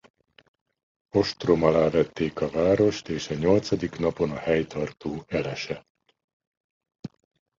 Ostrom alá vették a várost és a nyolcadik napon a helytartó elesett.